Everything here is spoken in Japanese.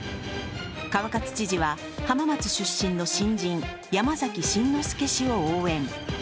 川勝知事は浜松出身の新人、山崎真之輔氏を応援。